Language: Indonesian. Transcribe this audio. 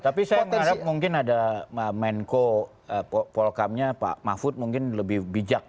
tapi saya mengharap mungkin ada menko polkamnya pak mahfud mungkin lebih bijak